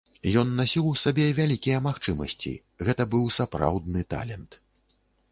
Ён насіў у сабе вялікія магчымасці, гэта быў сапраўдны талент.